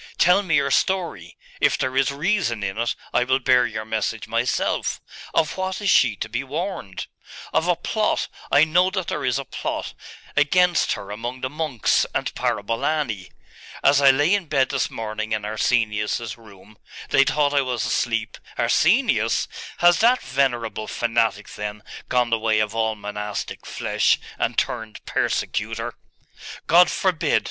Tell me your story. If there is reason in it, I will bear your message myself. Of what is she to be warned?' 'Of a plot I know that there is a plot against her among the monks and Parabolani. As I lay in bed this morning in Arsenius's room they thought I was asleep ' 'Arsenius? Has that venerable fanatic, then, gone the way of all monastic flesh, and turned persecutor?' 'God forbid!